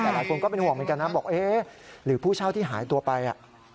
แต่หลายคนก็เป็นห่วงเหมือนกันนะบอกเอ๊ะหรือผู้เช่าที่หายตัวไป